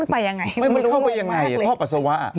มันไปยังไงไม่รู้หลงมากเลย